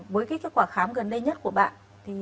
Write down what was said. với kết quả khám gần đây nhất của bạn